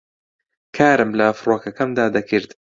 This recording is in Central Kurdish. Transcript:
کارم لە فڕۆکەکەمدا دەکرد